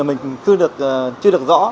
mình chưa được rõ